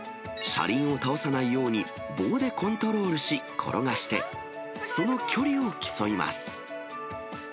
車輪を倒さないように棒でコントロールし転がして、その距離を競います。